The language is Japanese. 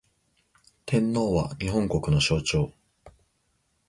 天皇は、日本国の象徴